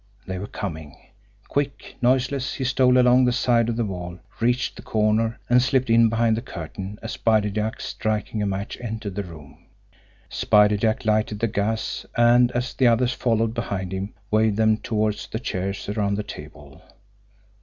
They were coming! Quick, noiseless, he stole along the side of the wall, reached the corner, and slipped in behind the curtain, as Spider Jack, striking a match, entered the room. Spider Jack lighted the gas, and, as the others followed behind him, waved them toward the chairs around the table.